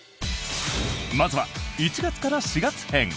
まずは、１月から４月編。